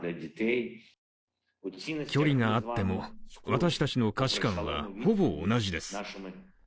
距離があっても、私たちの価値観はほぼ同じです。